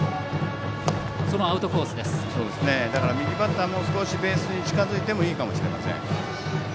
右バッターはもう少しベースに近づいてもいいかもしれません。